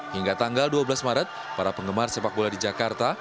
hingga tanggal dua belas maret para penggemar sepak bola di jakarta